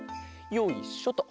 よいしょと。